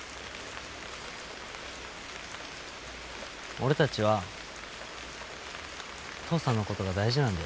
俺たちは父さんのことが大事なんだよ。